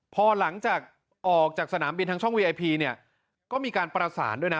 พอหลังจากออกจากสนามบินทางช่องวีไอพีเนี่ยก็มีการประสานด้วยนะ